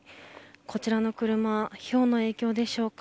こちらの車ひょうの影響でしょうか。